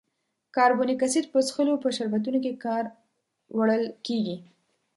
کاربونیک اسید په څښلو په شربتونو کې په کار وړل کیږي.